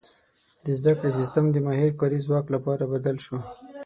• د زده کړې سیستم د ماهر کاري ځواک لپاره بدل شو.